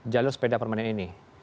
jalur sepeda permanen ini